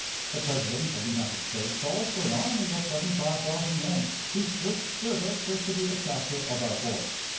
The President of the United States calls for an army of seventy five thousand men, whose first service is to be the capture of our forts.